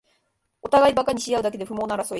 おたがいバカにしあうだけで不毛な争い